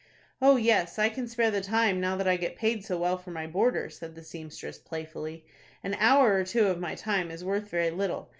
"Oh, yes, I can spare the time, now that I get paid so well for my boarder," said the seamstress, playfully. "An hour or two of my time is worth very little.